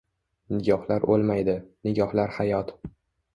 Nigohlar o’lmaydi, nigohlar hayot